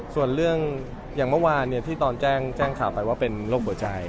ส่วนเรื่องอย่างเมื่อวานที่ตอนแจ้งข่าวไปว่าเป็นโรคหัวใจ